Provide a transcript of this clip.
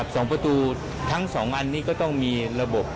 สองประตูทั้งสองอันนี้ก็ต้องมีระบบ